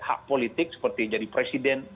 hak politik seperti jadi presiden